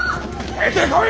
出てこい！